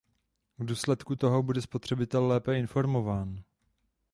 V důsledku toho bude spotřebitel lépe informován.